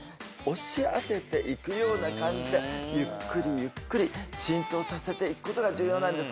押し当てていくような感じでゆっくりゆっくり浸透させていくことが重要なんですね